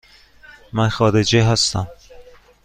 من خارجی هستم.